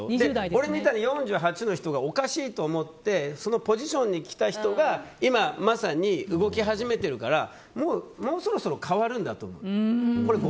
俺みたいに４８の人がおかしいと思ってそのポジションに来た人が今まさに動き始めてるから、もうそろそろ変わるんだと思う。